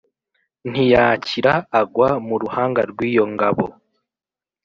Ntiyakira agwa mu ruhanga rw'iyo ngabo